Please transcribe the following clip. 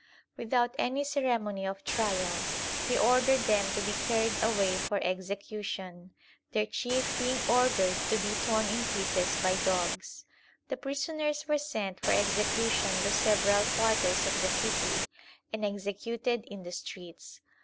Without any ceremony of trial, he ordered them to be carried away for execution, their chief being ordered to be torn in pieces by dogs. The prisoners were sent for execu tion to several quarters of the city, and executed in the streets.